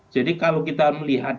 jadi kalau kita melihat